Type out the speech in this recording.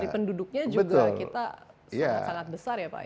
penduduknya juga kita sangat sangat besar ya pak